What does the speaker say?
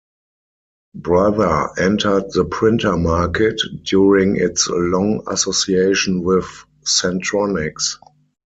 Brother entered the printer market during its long association with Centronics.